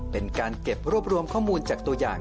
เป็นการเก็บรวบรวมข้อมูลจากตัวอย่าง